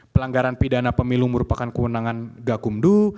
pelanggaran pidana pemilu merupakan kewenangan gakumdu